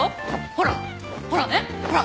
ほらほらほら！